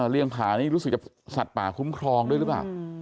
ผ่านี่รู้สึกจะสัตว์ป่าคุ้มครองด้วยหรือเปล่า